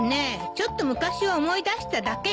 ちょっと昔を思い出しただけよ。